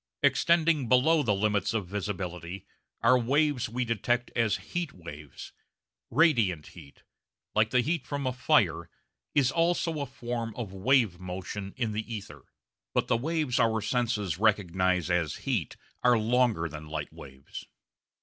Extending below the limits of visibility are waves we detect as heat waves. Radiant heat, like the heat from a fire, is also a form of wave motion in the ether, but the waves our senses recognise as heat are longer than light waves.